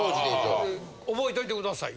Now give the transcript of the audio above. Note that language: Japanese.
「覚えといてください」